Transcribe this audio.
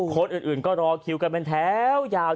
คนอื่นก็รอคิวกันเป็นแถวยาว